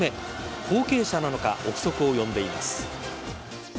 後継者なのか憶測を呼んでいます。